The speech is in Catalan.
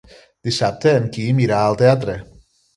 Dissabte en Quim irà al teatre.